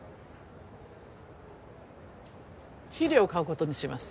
肥料を買うことにします。